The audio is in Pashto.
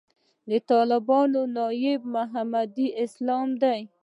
طالبانو ناب محمدي اسلام دی.